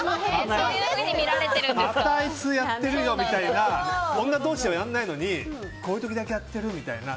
またあいつやってるよみたいな女同士ではやらないのにこういう時だけやってるみたいな。